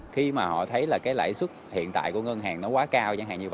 khi mà họ thấy là cái lãi xuất hiện tại của ngân hàng nó quá cao